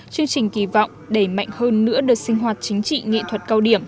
chương trình kỳ vọng đẩy mạnh hơn nữa đợt sinh hoạt chính trị nghệ thuật cao điểm